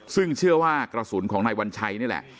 ซึ่งเชื่อว่ากระสุนของนายวัญชัยนี่แหละ